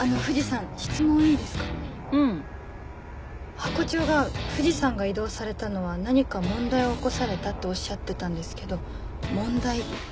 ハコ長が藤さんが異動されたのは何か問題を起こされたっておっしゃってたんですけど問題って。